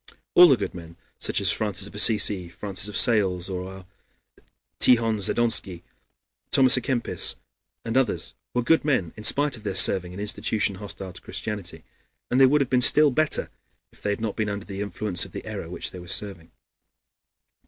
All the good men, such as Francis of Assisi, and Francis of Sales, our Tihon Zadonsky, Thomas à Kempis, and others, were good men in spite of their serving an institution hostile to Christianity, and they would have been still better if they had not been under the influence of the error which they were serving.